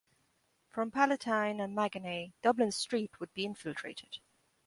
From Palatine and Maganey, Dublin Street would be infiltrated.